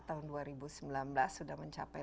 tahun dua ribu sembilan belas sudah mencapai